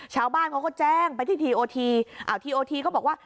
ชาวบ้านเขาก็แจ้งไปที่ทีโอทีทีโอทีก็บอกว่า